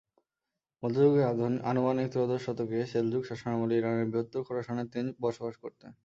মধ্যযুগে আনুমানিক ত্রয়োদশ শতকে সেলজুক শাসনামলে ইরানের বৃহত্তর খোরাসানে তিনি বসবাস করতেন।